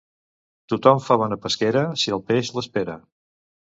Tothom fa bona pesquera si el peix l'espera.